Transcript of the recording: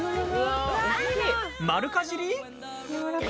丸かじり？